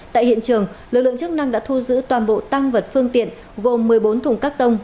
tại hiện trường lực lượng chức năng đã thu giữ toàn bộ tăng vật phương tiện gồm một mươi bốn thùng các tông